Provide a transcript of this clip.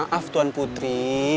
maaf tuan putri